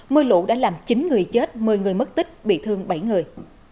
mưa lũ đã làm chín người chết một mươi người mất tích bị thương bảy người